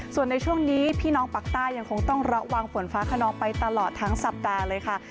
ส่วนในช่วงนี้พี่น้องปากใต้ยังคงต้องระวังฝนฟ้าขนองไปตลอดทั้งสัปดาห์เลยค่ะ